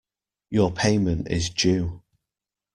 Your payment is due.